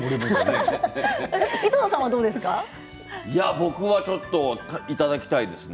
僕はちょっといただきたいですね。